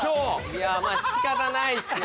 いやまあ仕方ないっすね。